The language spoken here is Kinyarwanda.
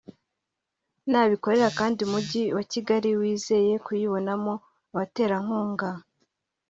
n’abikorera kandi umujyi wa Kigali wizeye kuyibonamo abaterankunga